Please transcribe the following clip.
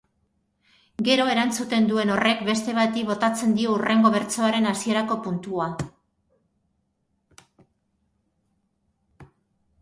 Gero erantzuten duen horrek beste bati botatzen dio hurrengo bertsoaren hasierako puntua.